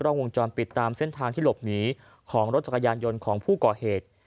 วงจรปิดตามเส้นทางที่หลบหนีของรถจักรยานยนต์ของผู้ก่อเหตุ